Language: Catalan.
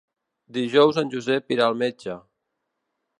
Dijous en Josep irà al metge.